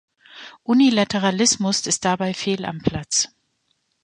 Unilateralismus ist dabei fehl am Platze.